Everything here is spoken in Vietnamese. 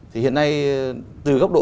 thì hiện nay từ góc độ